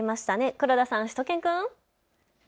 黒田さん、しゅと犬くん。